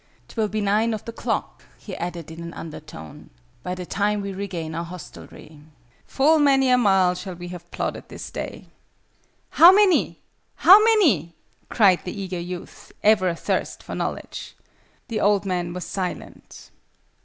"'Twill be nine of the clock," he added in an undertone, "by the time we regain our hostelry. Full many a mile shall we have plodded this day!" "How many? How many?" cried the eager youth, ever athirst for knowledge. The old man was silent.